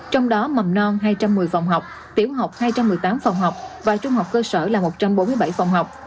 trong đó mầm non hai trăm một mươi phòng học tiểu học hai trăm một mươi tám phòng học và trung học cơ sở là một trăm bốn mươi bảy phòng học